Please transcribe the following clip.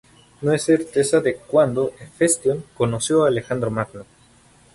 No hay certeza de cuándo Hefestión conoció a Alejandro Magno.